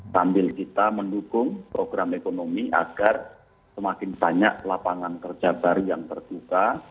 sambil kita mendukung program ekonomi agar semakin banyak lapangan kerja baru yang terbuka